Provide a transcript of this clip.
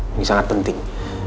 ya ini sangat penting